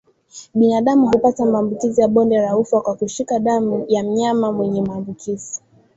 Binadamu hupata maambukizi ya bonde la ufa kwa kushika damu ya mnyama mwenye maambukizi